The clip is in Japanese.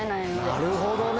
なるほどね